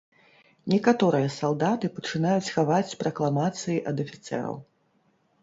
Некаторыя салдаты пачынаюць хаваць пракламацыі ад афіцэраў.